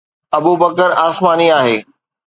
ابوبڪر آسماني آهي